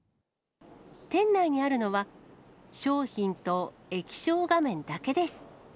店内にあるのは、商品と液晶画面だけです。